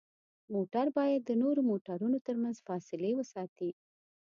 موټر باید د نورو موټرونو ترمنځ فاصلې وساتي.